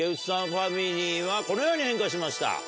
ファミリーはこのように変化しました。